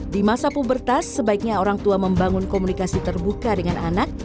di masa pubertas sebaiknya orang tua membangun komunikasi terbuka dengan anak